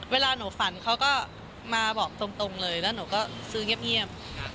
เวลาหนูฝันเขาก็มาบอกตรงเลยแล้วหนูก็ซื้อเงียบ